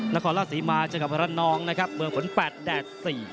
นครราชศรีมาจากนครราชนองเมืองฝน๘แดด๔